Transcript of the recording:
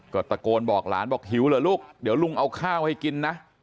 ก็ตะโกนบอกหลานบอกหิวเหรอลูกเดี๋ยวลุงเอาข้าวให้กินนะ